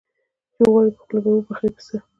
ـ چې وغواړې په خوله وبه خورې په څه.